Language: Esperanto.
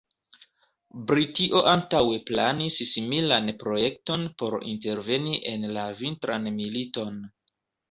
Britio antaŭe planis similan projekton por interveni en la Vintran Militon.